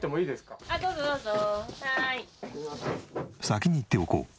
先に言っておこう。